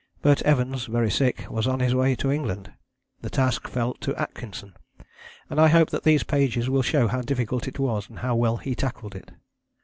But Evans, very sick, was on his way to England. The task fell to Atkinson, and I hope that these pages will show how difficult it was, and how well he tackled it.